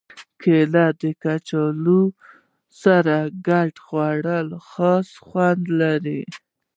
کېله د کچالو سره ګډ خوړل خاص خوند لري.